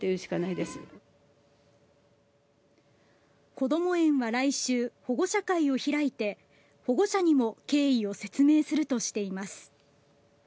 こども園は来週保護者会を開いて保護者にも経緯を説明するとしています。